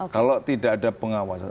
kalau tidak ada pengawasan